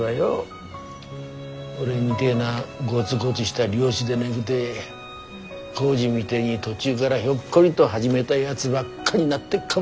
俺みでえなゴヅゴヅした漁師でねくて耕治みでえに途中がらひょっこりと始めだやづばっかになってっかもしんねえぞ。